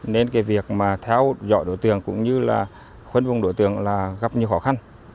nên việc theo dõi đối tượng cũng như khuân vùng đối tượng gặp nhiều khó khăn